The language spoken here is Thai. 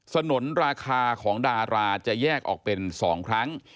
สนุนราคาของดาราจะแยกออกเป็น๒ครั้ง